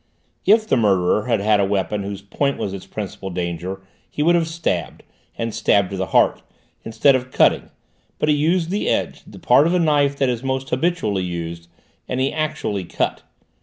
If the murderer had had a weapon whose point was its principal danger, he would have stabbed, and stabbed to the heart, instead of cutting; but he used the edge, the part of a knife that is most habitually used, and he actually cut.